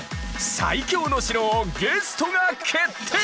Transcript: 「最強の城」をゲストが決定！